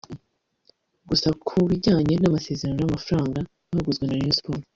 Gusa ku bijyanye n’amasezerano n’amafaranga baguzwe na Rayon Sports